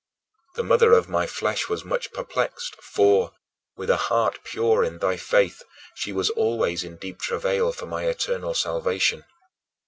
The mother of my flesh was much perplexed, for, with a heart pure in thy faith, she was always in deep travail for my eternal salvation.